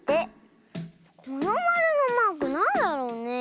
このマルのマークなんだろうね。